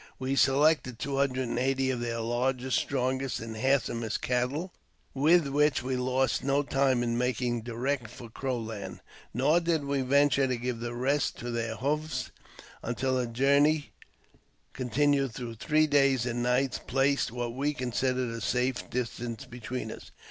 We selected two hundred and eighty of their largest, strongest, and handsomest cattle, with which we lost no time in making direct for Crow land ; nor did we venture to give rest to their hoofs until a journey, continued through three days and| nights, placed what we considered a safe distance between us.